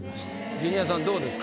ジュニアさんどうですか？